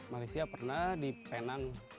malaysia pernah di penang